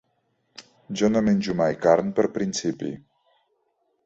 Jo no menjo mai carn per principi.